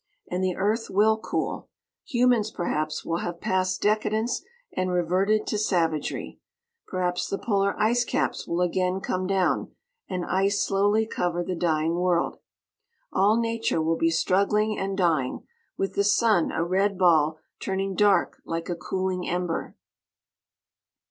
And the Earth will cool. Humans, perhaps, will have passed decadence and reverted to savagery. Perhaps the polar ice caps will again come down, and ice slowly cover the dying world. All nature will be struggling and dying, with the sun a red ball turning dark like a cooling ember.